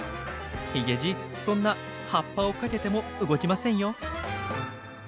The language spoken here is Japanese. ヒゲじいそんな「発破」をかけても動きませんよ。